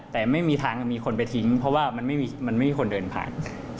แต่ไม่มีทางมีคนไปทิ้งเพราะว่ามันไม่มีคนเดินผ่าน